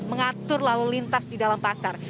mengatur lalu lintas di dalam pasar